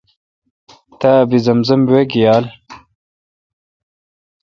تا آب زمزم وئ گیال۔